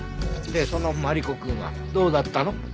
でそのマリコくんはどうだったの？